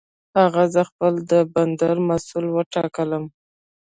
هغه زه خپل د بندر مسؤل وټاکلم.